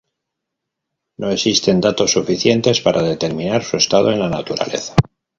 No existen datos suficientes para determinar su estado en la naturaleza.